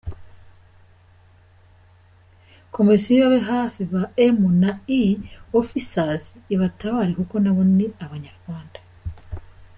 Komisiyo ibabe hafi ba M&E Officers ibatabare kuko nabo ni abanyarwanda.